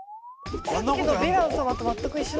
さっきのヴィラン様と全く一緒のことしてる。